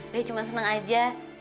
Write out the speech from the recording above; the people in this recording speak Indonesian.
dia cuman seneng aja